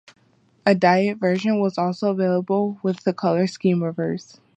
A diet version was also available, with the color scheme reversed.